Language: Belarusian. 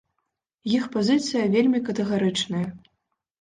Іх пазіцыя вельмі катэгарычная.